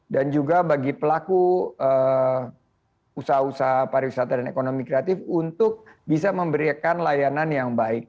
dan juga bagi pelaku usaha usaha para wisata dan ekonomi kreatif untuk bisa memberikan layanan yang baik